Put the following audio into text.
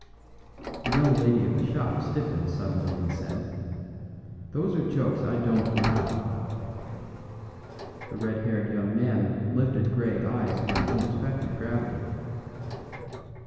The young lady of the shop stiffened suddenly and said, "Those are jokes I don't allow." The red haired young man lifted grey eyes of an unexpected gravity.